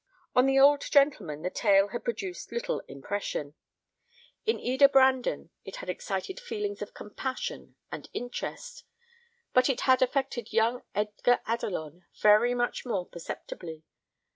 On the old gentleman the tale had produced little impression; in Eda Brandon it had excited feelings of compassion and interest; but it had affected young Edgar Adelon very much more perceptibly.